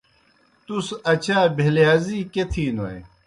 تُس اچا بَے لحاظی کیْہ تِھینوئے؟